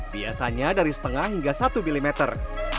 biasanya dari setengah hingga satu milimeter